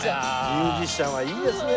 ミュージシャンはいいですね。